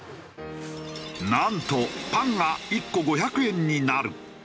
なんとパンが１個５００円になる。